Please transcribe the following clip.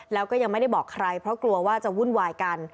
แล้วก็ยังไม่ได้บอกใครเพราะกลัวว่าจะวุ่นวายกัน